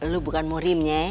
lu bukan murimnya